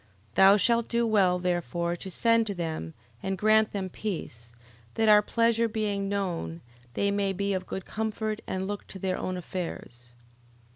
11:26. Thou shalt do well, therefore, to send to them, and grant them peace, that our pleasure being known, they may be of good comfort, and look to their own affairs.